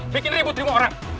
bikin ribut di rumah orang